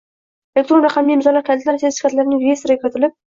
elektron raqamli imzolar kalitlari sertifikatlarining reyestriga kiritilib